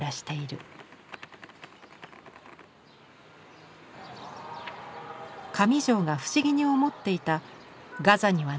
上條が不思議に思っていたガザにはないはずの花。